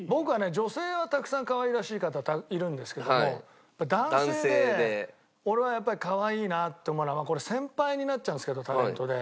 女性はたくさんかわいらしい方いるんですけども男性で俺はやっぱりかわいいなって思うのはこれ先輩になっちゃうんですけどタレントで。